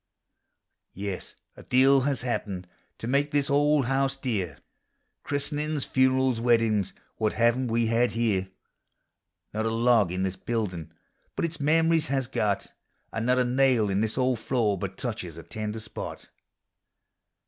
Yes, a deal has happened to make this old house dear : Digitized by OooqIc THE HOME. 273 Christenin's, funerals, weddiu's — what haven't we had here? Not a log in this buildiii' but its memories has got. And not a nail in this old tloor but touches a tender spot.